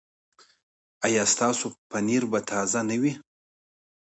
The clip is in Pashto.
ایا ستاسو پنیر به تازه نه وي؟